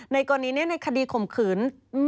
กรณีนี้ในคดีข่มขืน